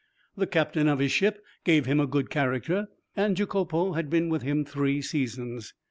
The captain of his ship gave him a good character, and Jacopo had been with him three seasons.